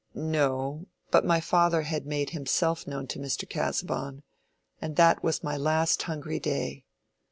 "No; but my father had made himself known to Mr. Casaubon, and that was my last hungry day.